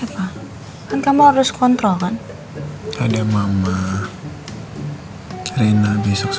oke aku mau taruh ini di kulkas dulu